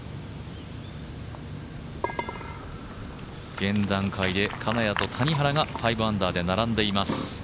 現段階で金谷と谷原が５アンダーで並んでいます。